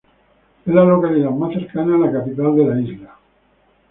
Es la localidad más cercana a la capital de la isla.